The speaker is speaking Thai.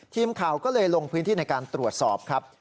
ทีมข่าวก็เลยลงพื้นที่ในการตรวจสอบครับ